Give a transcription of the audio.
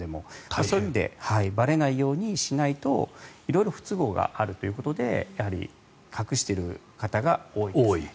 そういうのでばれないようにしないと色々不都合があるということでやはり隠している方が多いです。